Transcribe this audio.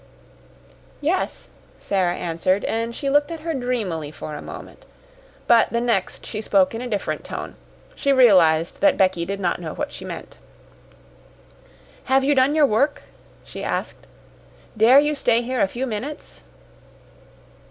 "Yes," Sara answered, and she looked at her dreamily for a moment. But the next she spoke in a different tone. She realized that Becky did not know what she meant. "Have you done your work?" she asked. "Dare you stay here a few minutes?"